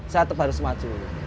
saya tetap harus maju